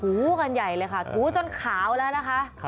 กันใหญ่เลยค่ะถูจนขาวแล้วนะคะ